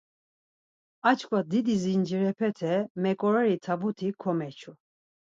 A çkva, didi zincirepete meǩoreri tabut̆i komeçu.